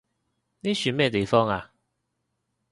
呢樹咩地方啊？